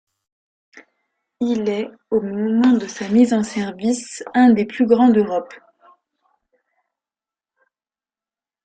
Il est, au moment de sa mise en service, un des plus grands d'Europe.